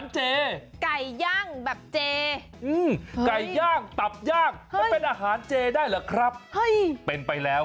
ใช่